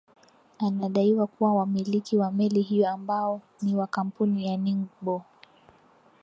anadaiwa kuwa wamiliki wa meli hiyo ambao ni wa kampuni ya ning bo